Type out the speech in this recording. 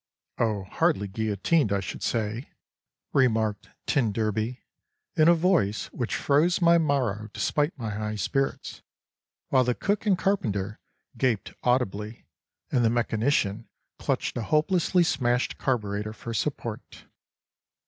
—"Oh hardly guillotined I should say," remarked t d, in a voice which froze my marrow despite my high spirits; while the cook and carpenter gaped audibly and the mechanician clutched a hopelessly smashed carburetor for support.